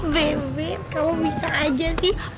bemb kamu bisa aja sih